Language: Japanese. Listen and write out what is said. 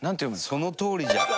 そのとおりじゃん。